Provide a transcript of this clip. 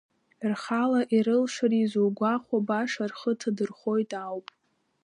Рхала ирылшари зугәахәуа, баша рхы ҭадырхоит ауп!